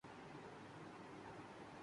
تیز بارش ہو